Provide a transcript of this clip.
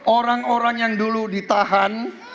orang orang yang dulu ditahan